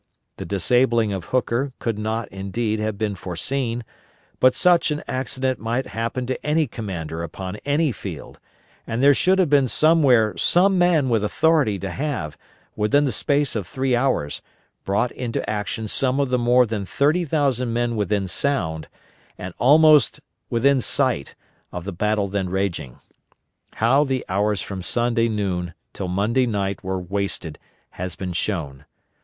The disabling of Hooker could not, indeed, have been foreseen; but such an accident might happen to any commander upon any field; and there should have been somewhere some man with authority to have, within the space of three hours, brought into action some of the more than 30,000 men within sound, and almost within sight, of the battle then raging. How the hours from Sunday noon till Monday night were wasted has been shown.